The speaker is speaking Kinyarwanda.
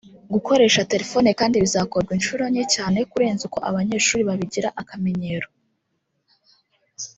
Gukoresha telefone kandi bizakorwa inshuro nke cyane kurenza uko abanyeshuri babigira akamenyero